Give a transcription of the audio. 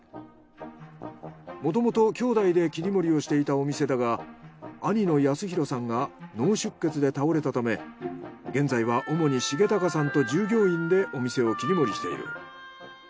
もともと兄弟で切り盛りをしていたお店だが兄の康博さんが脳出血で倒れたため現在は主に茂貴さんと従業員でお店を切り盛りしている。